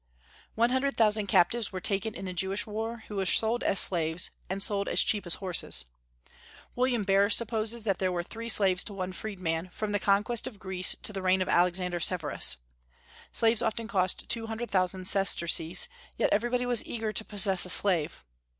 One hundred thousand captives were taken in the Jewish war, who were sold as slaves, and sold as cheap as horses. William Blair supposes that there were three slaves to one freeman, from the conquest of Greece to the reign of Alexander Severus. Slaves often cost two hundred thousand sesterces, yet everybody was eager to possess a slave.